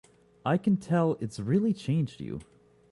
I can tell it's really changed you.